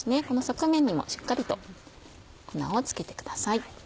この側面にもしっかりと粉を付けてください。